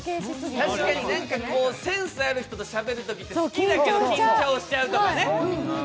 確かにセンスある人としゃべるとき、好きだけど緊張しちゃうとかね。